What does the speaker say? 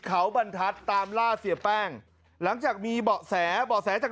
เขาบรรทัศน์ตามล่าเสียแป้งหลังจากมีเบาะแสเบาะแสจาก